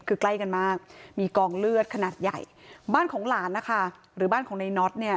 คือใกล้กันมากมีกองเลือดขนาดใหญ่บ้านของหลานนะคะหรือบ้านของในน็อตเนี่ย